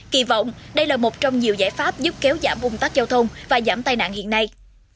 kỳ vọng đây là một trong nhiều giải pháp giúp kéo giảm ung tắc giao thông và giảm tai nạn hiện nay